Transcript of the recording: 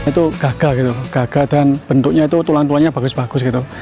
itu gagah gitu gagal dan bentuknya itu tulang tulangnya bagus bagus gitu